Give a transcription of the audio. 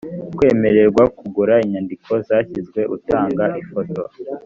kwemererwa kugura inyandiko zashyizwe utanga ifoto.